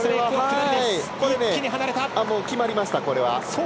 決まりました、これは。